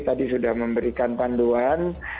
tadi sudah memberikan panduan